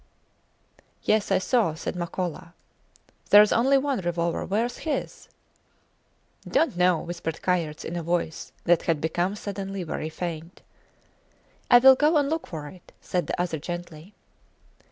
Yes, I saw, said Makola. There is only one revolver; wheres his? Dont know, whispered Kayerts in a voice that had become suddenly very faint. I will go and look for it, said the other, gently.